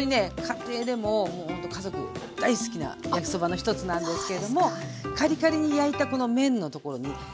家庭でももうほんと家族も大好きな焼きそばの一つなんですけれどもカリカリに焼いたこの麺の所に生野菜がたっぷり。